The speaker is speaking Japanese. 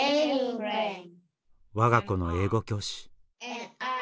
我が子の英語教師。